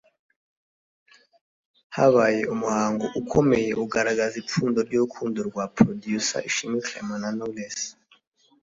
habaye umuhango ukomeye ugaragaza ipfundo ry’urukundo rwa Producer Ishimwe Clement na Knowless